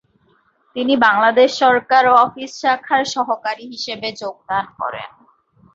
তিনি বাংলাদেশ সরকার অফিস শাখার সহকারী হিসাবে যোগদান করেন।